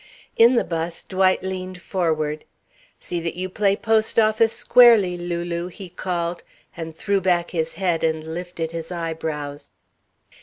In the 'bus Dwight leaned forward: "See that you play post office squarely, Lulu!" he called, and threw back his head and lifted his eyebrows.